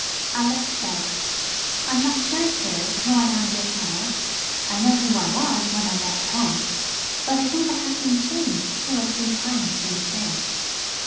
Al ice said, "I'm not sure, sir, who I am just now I know who I was when I left home, but I think I have been changed two or three times since then."